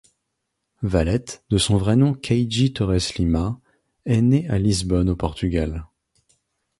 Valete, de son vrai nom Keidje Torres Lima, est né à Lisbonne au Portugal.